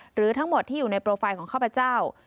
หรือทั้งหมดที่อยู่ในโปรไฟล์ของข้าพเจ้า